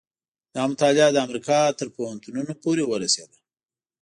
دا مطالعه د امریکا تر پوهنتونونو پورې ورسېده.